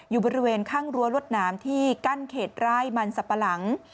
อยู่บริเวณข้างรั้วรวดหนามที่กั้นเขตไร่มันสับปะหลัง